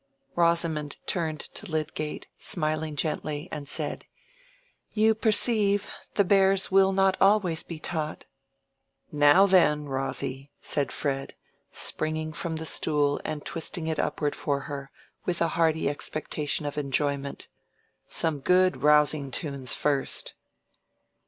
Rosamond turned to Lydgate, smiling gently, and said, "You perceive, the bears will not always be taught." "Now then, Rosy!" said Fred, springing from the stool and twisting it upward for her, with a hearty expectation of enjoyment. "Some good rousing tunes first."